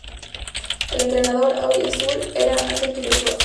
El entrenador "auriazul" era Ángel Tulio Zof.